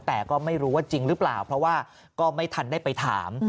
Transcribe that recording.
แต่ก็ไม่รู้ว่าจริงหรือเปล่าเพราะว่าก็ไม่ทันได้ไปถาม